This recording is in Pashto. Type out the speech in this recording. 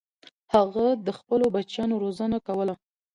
هغه د خپلو بچیانو روزنه کوله.